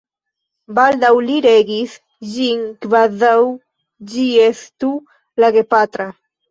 Baldaŭ li regis ĝin kvazaŭ ĝi estu la gepatra.